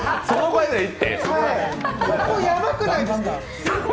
ここ、やばくないですか？